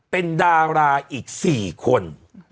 เป็นดาราอีก๔คน